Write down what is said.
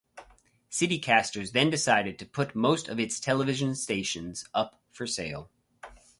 Citicasters then decided to put most of its television stations up for sale.